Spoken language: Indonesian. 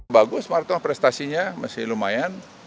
bagus marta prestasinya masih lumayan